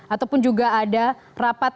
ataupun juga ada rapat